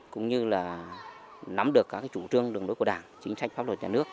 cũng như là nắm được các chủ trương đường lối của đảng chính sách pháp luật nhà nước